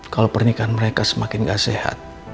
kalau pernikahan mereka semakin gak sehat